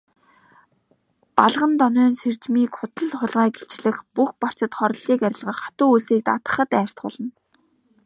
Балгандонойн сэржмийг худал хулгайг илчлэх, бүх барцад хорлолыг арилгах, хатуу үйлсийг даатгахад айлтгуулна.